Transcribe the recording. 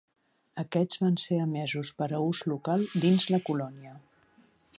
Aquests van ser emesos per a ús local dins la colònia.